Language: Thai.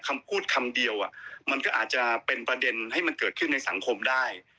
คำพูดคำเดียวมันก็อาจจะเป็นประเด็นให้มันเกิดขึ้นในสังคมได้